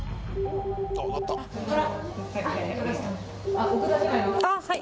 ああはい！